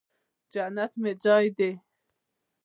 جنت مې ځای دې